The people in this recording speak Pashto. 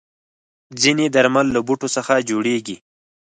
ځینې درمل له بوټو څخه جوړېږي.